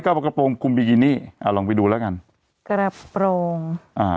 ก็เอากระโปรงคุมบิกินี่อ่าลองไปดูแล้วกันกระโปรงอ่า